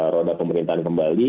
roda pemerintahan kembali